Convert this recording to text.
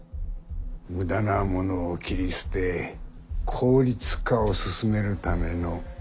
無駄なものを切り捨て効率化を進めるためのコマだ。